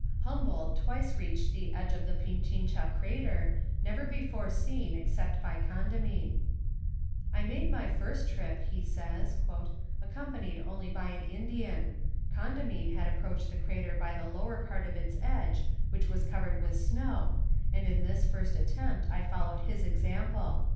Humboldt twice reached the edge of the Pinchincha crater, never before seen except by Condamine. "I made my first trip," he says, "accompanied only by an Indian. Condamine had approached the crater by the lower part of its edge which was covered with snow, and in this first attempt I followed his example.